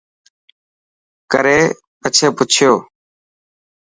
ڪري پڇي پڇيو .